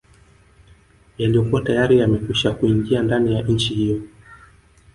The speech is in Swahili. Yaliyokuwa tayari yamekwisha kuingia ndani ya nchi hiyo